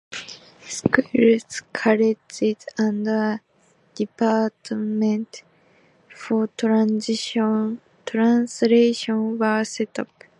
Schools, colleges and a Department for Translation were set up.